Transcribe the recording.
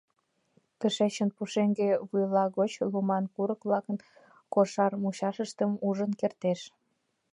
Тышечын, пушеҥге вуйла гоч, луман курык-влакын кошар мучашыштым ужын кертеш.